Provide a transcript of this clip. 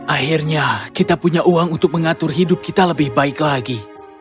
akhirnya kita punya uang untuk mengatur hidup kita lebih baik lagi